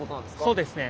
そうですね。